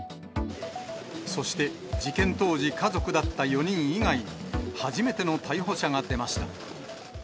そして、事件当時、家族だった４人以外に、初めての逮捕者が出ました。